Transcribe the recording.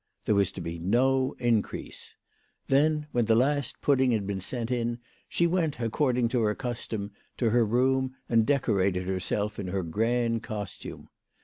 There was to be no increase. Then, when WHY FRAU FROHMANN RAISED HER PRICES. 31 the last pudding had been sent in, she went, according to her custom, to her room and decorated herself in her grand costume.